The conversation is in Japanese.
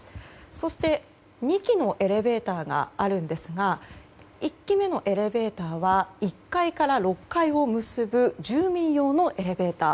そして２基のエレベーターがあるんですが１基目のエレベーターは１階から６階を結ぶ住民用のエレベーター。